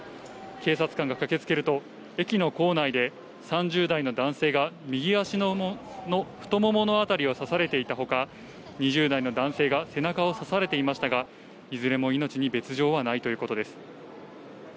警察官が駆けつけると、駅の構内で、３０代の男性が、右足の太ももの辺りを刺されていたほか、２０代の男性が背中を刺されていましたが、いずれも命に別状はないということです。